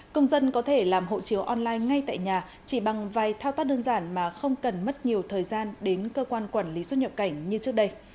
công dân có thể làm hộ chiếu online ngay tại nhà chỉ bằng vài thao tác đơn giản mà không cần mất nhiều thời gian đến cơ quan quản lý xuất nhập cảnh như trước đây